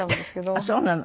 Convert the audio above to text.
ああそうなの？